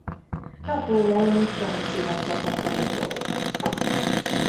Napóleon francia csapataitól.